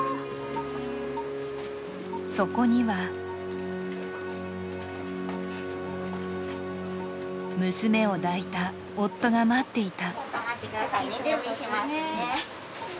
そこには娘を抱いた夫が待っていた。